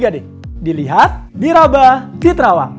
tiga d dilihat diraba diterawang